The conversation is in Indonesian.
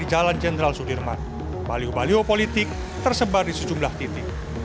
di jalan jenderal sudirman baliho baliho politik tersebar di sejumlah titik